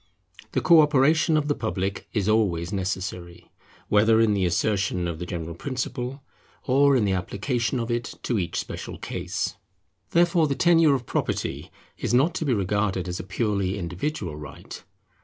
The co operation of the public is always necessary, whether in the assertion of the general principle or in the application of it to each special case. Therefore the tenure of property is not to be regarded as a purely individual right.